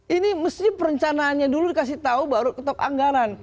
ini mesti perencanaannya dulu dikasih tahu baru ketok anggaran